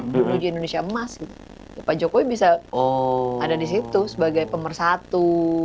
menuju indonesia emas pak jokowi bisa ada di situ sebagai pemersatu